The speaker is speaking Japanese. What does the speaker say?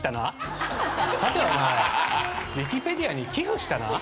ウィキペディアに寄付したな？